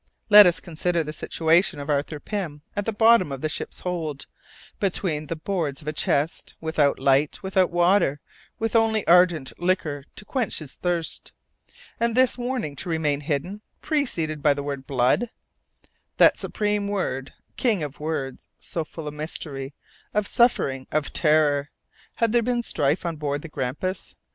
Let us consider the situation of Arthur Pym, at the bottom of the ship's hold, between the boards of a chest, without light, without water, with only ardent liquor to quench his thirst! And this warning to remain hidden, preceded by the word "blood" that supreme word, king of words, so full of mystery, of suffering, of terror! Had there been strife on board the Grampus?